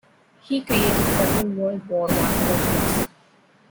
He created several World War One posters.